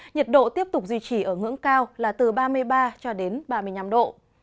nhiệt độ tiếp tục duy trì ở ngưỡng cao là từ ba mươi ba ba mươi năm độ